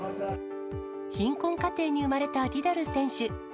貧困家庭に生まれたディダル選手。